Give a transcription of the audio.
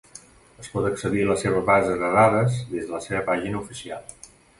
Es pot accedir a la seva base de dades des de la seva pàgina oficial.